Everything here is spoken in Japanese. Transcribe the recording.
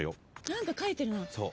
何か書いてるな。